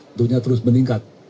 tentunya terus meningkat